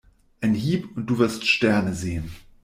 Ein Hieb und du wirst Sterne sehen.